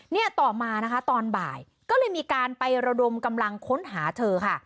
เนี่ยต่อมานะคะตอนบ่ายก็เลยมีการไประดมกำลังค้นหาเธอค่ะ